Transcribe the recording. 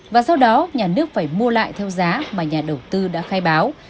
và sau đó nhà nước phải mua lại theo giá mà nhà đầu tư đã khai báo